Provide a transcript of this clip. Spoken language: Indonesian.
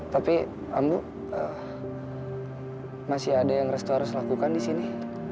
tapi ambu masih ada yang restu harus lakukan di sini